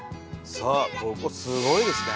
さあここすごいですね。